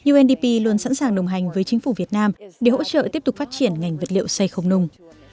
undp luôn sẵn sàng đồng hành với chính phủ việt nam để hỗ trợ tiếp tục phát triển ngành vật liệu xây không nung